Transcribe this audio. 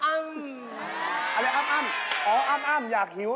อะไรอัมอ๋ออัมอยากหิว